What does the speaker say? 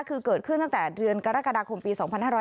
คือเกิดขึ้นตั้งแต่เดือนกรกฎาคมปี๒๕๕๙